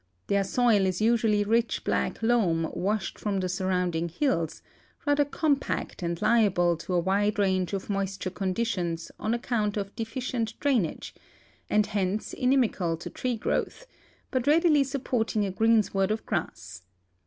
Their soil is usually rich black loam washed from the surrounding hills, rather compact and liable to a wide range of moisture conditions on account of deficient drainage, and hence inimical to tree growth, l)ut readilv supporting a greensward of grass.